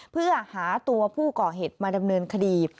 เพื่อหาตัวผู้ก่อเหตุมาดำเนินคดี